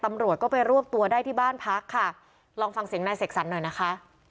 ตำรวจก็ไปรวบตัวได้ที่บ้านพักค่ะลองฟังเสียงนายเสกสรรหน่อยนะคะ